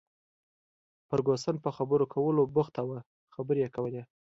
فرګوسن په خبرو کولو بوخته وه، خبرې یې کولې.